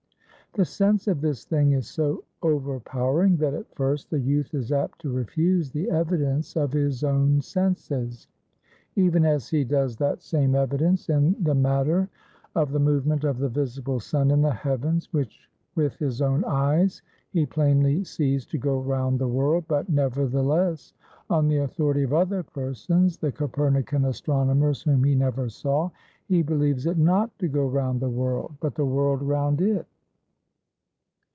The sense of this thing is so overpowering, that at first the youth is apt to refuse the evidence of his own senses; even as he does that same evidence in the matter of the movement of the visible sun in the heavens, which with his own eyes he plainly sees to go round the world, but nevertheless on the authority of other persons, the Copernican astronomers, whom he never saw he believes it not to go round the world, but the world round it.